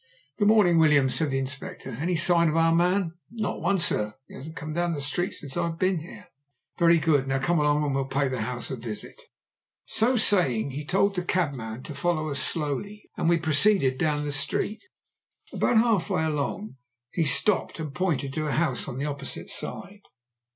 "Good morning, Williams," said the Inspector. "Any sign of our man?" "Not one, sir. He hasn't come down the street since I've been here." "Very good. Now come along and we'll pay the house a visit." So saying he told the cabman to follow us slowly, and we proceeded down the street. About half way along he stopped and pointed to a house on the opposite side.